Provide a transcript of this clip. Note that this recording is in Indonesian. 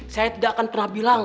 saya tidak akan pernah bilang